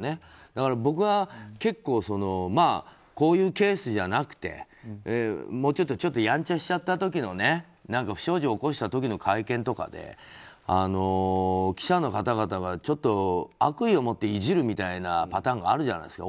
だから、僕は結構こういうケースじゃなくてちょっとやんちゃしちゃった時不祥事を起こした時の会見とかで記者の方々が悪意を持っていじるみたいなパターンがあるじゃないですか。